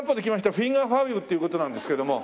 フィンガー５っていう事なんですけども。